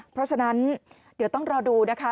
เพราะฉะนั้นเดี๋ยวต้องรอดูนะคะ